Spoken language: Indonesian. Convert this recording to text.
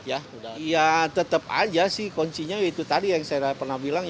ya tetap aja sih kuncinya itu tadi yang saya pernah bilang